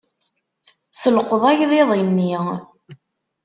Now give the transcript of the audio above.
Selqeḍ agḍiḍ-nni.